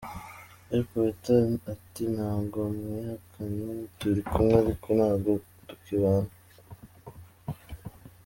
El Poeta ati: “ntago mwihakanye, turi kumwe ariko ntago tukibana.